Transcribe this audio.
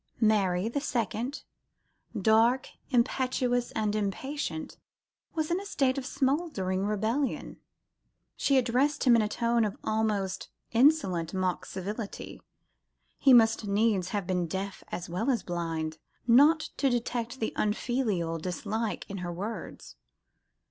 Mary, the second, dark, impetuous, and impatient, was in a state of smouldering rebellion. She addressed him in a tone of almost insolent mock civility, he must needs have been deaf as well as blind not to detect the unfilial dislike beneath her words.